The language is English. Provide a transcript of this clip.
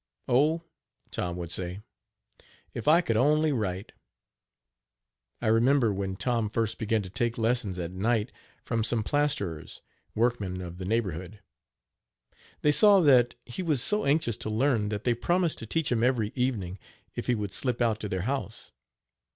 "Oh!" Tom would say, "if I could only write." I remember when Tom first began to take lessons at night from some plasterers, workmen of the neighborhood. They saw that he was so anxious to learn that they promised to teach him every evening if he would slip out to their house.